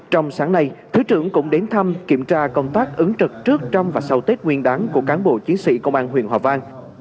trong sáng nay thứ trưởng cũng đến thăm kiểm tra công tác ứng trực trước trong và sau tết nguyên đáng của cán bộ chiến sĩ công an huyện hòa vang